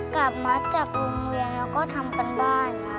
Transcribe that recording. กลับมาจากโรงเรียนแล้วก็ทำการบ้านค่ะ